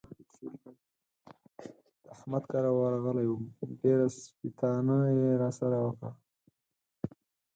د احمد کره ورغلی وم؛ ډېره سپېتانه يې را سره وکړه.